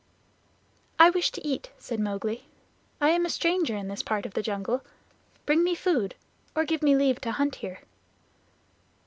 "I wish to eat," said Mowgli. "I am a stranger in this part of the jungle. Bring me food, or give me leave to hunt here."